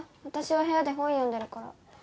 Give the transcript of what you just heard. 私は部屋で本読んでるから。